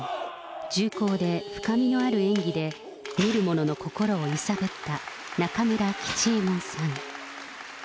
重厚で深みのある演技で、見る者の心を揺さぶった中村吉右衛門さん。